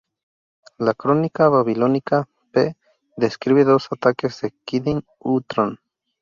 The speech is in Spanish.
La "Crónica Babilónica P" describe dos ataques de Kidin-Hutran.